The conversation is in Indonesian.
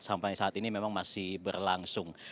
sampai saat ini memang masih berlangsung